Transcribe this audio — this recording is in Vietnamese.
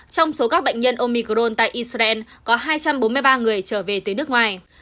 trong số các bệnh nhân omicron tại israel có hai trăm bốn mươi ba người trở về từ nước ngoài